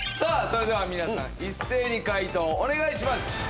それでは皆さん一斉に解答をお願いします